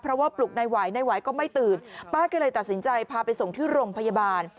เพราะว่าปลุกนายไหวนายไหวก็ไม่ตื่นป้าก็เลยตัดสินใจพาไปส่งที่โรงพยาบาล